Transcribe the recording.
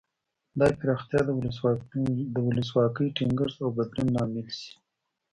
دا پراختیا د ولسواکۍ ټینګښت او بدلون لامل شي.